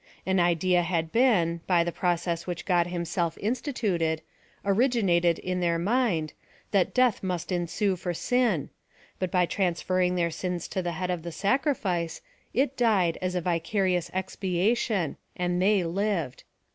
An idea had been, by the pro cess which God himself instituted, originated in their mind, that death must ensue for sin ; but by transferring their sins to the head of the sacrifice, it died as a vicarious expiation, and they Hved.